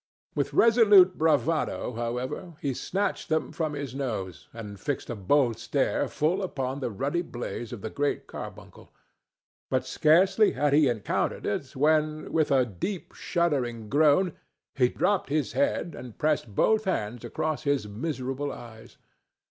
With resolute bravado, however, he snatched them from his nose and fixed a bold stare full upon the ruddy blaze of the Great Carbuncle. But scarcely had he encountered it when, with a deep, shuddering groan, he dropped his head and pressed both hands across his miserable eyes.